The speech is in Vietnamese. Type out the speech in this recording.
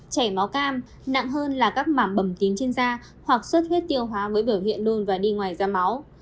trẻ máu cam nặng hơn là các mảm bầm tính trên da hoặc xuất huyết tiêu hóa với biểu hiện nôn và đi ngoài da máu